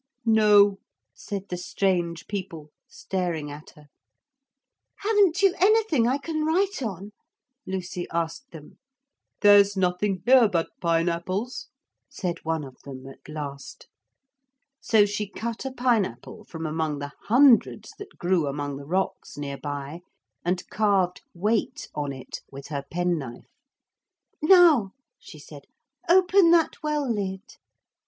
'No,' said the strange people, staring at her. 'Haven't you anything I can write on?' Lucy asked them. 'There's nothing here but pine apples,' said one of them at last. So she cut a pine apple from among the hundreds that grew among the rocks near by, and carved 'WAIT' on it with her penknife. 'Now,' she said, 'open that well lid.'